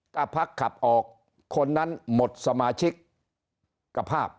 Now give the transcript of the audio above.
ก็ภักดิ์ขับออกคนนั้นหมดสมาชิกกระพาบ